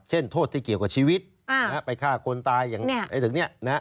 โทษที่เกี่ยวกับชีวิตไปฆ่าคนตายอย่างนี้